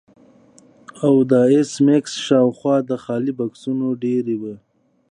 او د ایس میکس شاوخوا د خالي بکسونو ډیرۍ وه